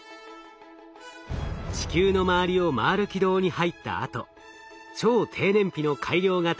地球の周りを回る軌道に入ったあと超低燃費の改良型